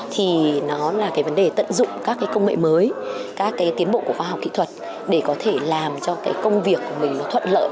thì nó là vấn đề tận dụng các công nghệ mới các tiến bộ của khoa học kỹ thuật để có thể làm cho công việc của mình thuận lợi